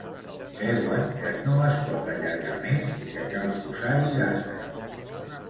Creuen que no es pot allargar més i que cal posar-hi data.